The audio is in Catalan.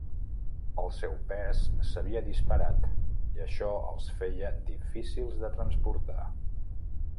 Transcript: El seu pes s'havia disparat i això els feia difícils de transportar.